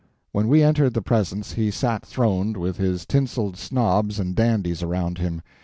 When we entered the presence he sat throned, with his tinseled snobs and dandies around him.